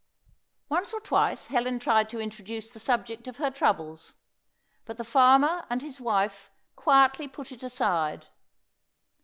Once or twice Helen tried to introduce the subject of her troubles, but the farmer and his wife quietly put it aside.